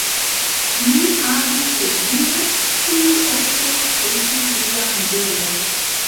Li havis edzinon, kiu ofte estis lia modelo.